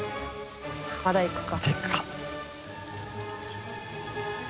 泙いくか。